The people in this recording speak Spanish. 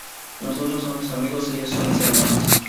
Nosotros somos amigos, ellos son mis hermanos".